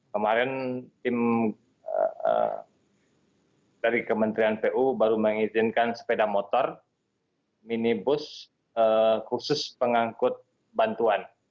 kemarin tim dari kementerian pu baru mengizinkan sepeda motor minibus khusus pengangkut bantuan